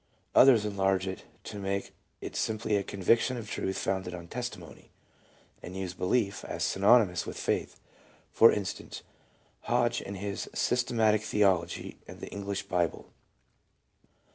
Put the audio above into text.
Others enlarge it to make it simply a " conviction of truth founded on testimony," and use "belief" as synonymous with " faith ;" for instance, Hodge in his " Systematic Theology," and the English Bible.